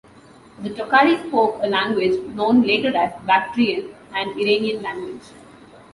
The Tokhari spoke a language known later as Bactrian - an Iranian language.